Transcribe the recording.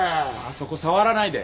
そこ触らないで。